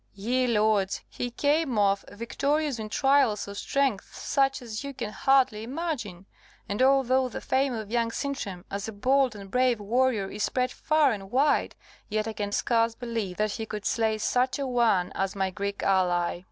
Ye lords, he came off victorious in trials of strength such as you can hardly imagine; and although the fame of young Sintram, as a bold and brave warrior, is spread far and wide, yet I can scarce believe that he could slay such an one as my Greek ally."